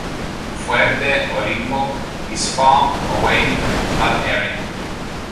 Fuerte Olimpo is far away from the flood area.